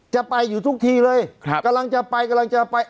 จะไปอยู่ทุกทีเลยครับกำลังจะไปกำลังจะไป